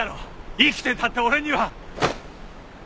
生きてたって俺には。